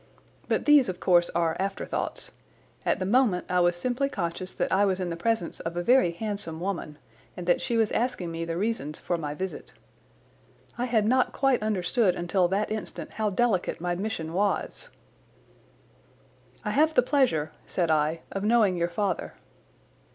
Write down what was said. But these, of course, are afterthoughts. At the moment I was simply conscious that I was in the presence of a very handsome woman, and that she was asking me the reasons for my visit. I had not quite understood until that instant how delicate my mission was. "I have the pleasure," said I, "of knowing your father."